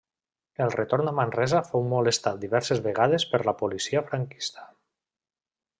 De retorn a Manresa fou molestat diverses vegades per la policia franquista.